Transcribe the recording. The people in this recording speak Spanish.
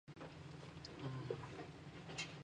Actualmente, el terreno se encuentra deteriorado y sin uso.